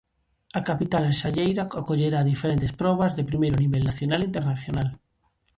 A capital xalleira acollerá diferentes probas de primeiro nivel nacional e internacional.